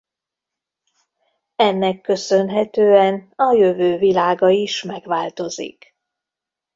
Ennek köszönhetően a jövő világa is megváltozik.